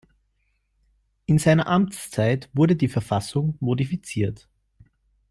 In seiner Amtszeit wurde die Verfassung modifiziert.